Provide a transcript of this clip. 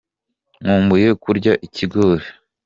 Nkumbuye kurya ikigori.